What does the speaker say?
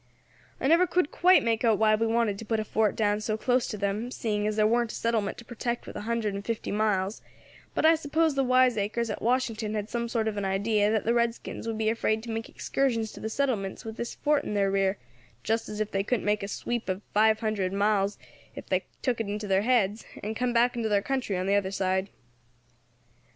"I never could quite make out why we wanted to put a fort down so close to them, seeing as there warn't a settlement to protect within a hundred and fifty miles; but I suppose the wiseacres at Washington had some sort of an idea that the redskins would be afraid to make excursions to the settlements with this fort in their rear, just as if they couldn't make a sweep of five hundred miles if they took it into their heads, and come back into their country on the other side.